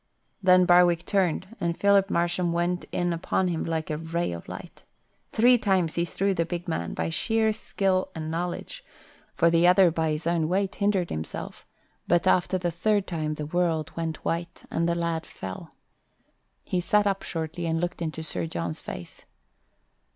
Then Barwick turned and Philip Marsham went in upon him like a ray of light. Three times he threw the big man, by sheer skill and knowledge, for the other by his own weight hindered himself, but after the third time the world went white and the lad fell. He sat up shortly and looked into Sir John's face.